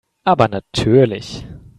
Aber natürlich.